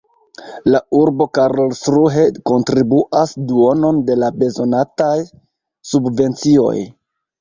La urbo Karlsruhe kontribuas duonon de la bezonataj subvencioj.